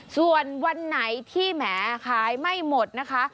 ส่วนวันไหนที่แหมขายไม่หมดนะคะ